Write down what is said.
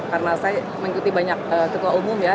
karena saya mengikuti banyak ketua umum ya